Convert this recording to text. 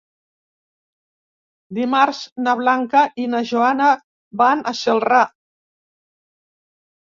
Dimarts na Blanca i na Joana van a Celrà.